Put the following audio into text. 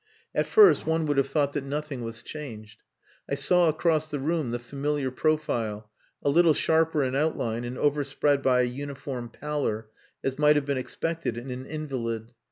At first one would have thought that nothing was changed. I saw across the room the familiar profile, a little sharper in outline and overspread by a uniform pallor as might have been expected in an invalid.